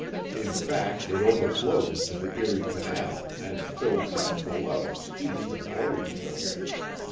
In fact, it overflowed into the Erie Canal and filled some of the levels east of Auriesville.